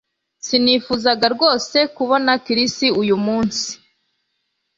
Sinifuzaga rwose kubona Chris uyu munsi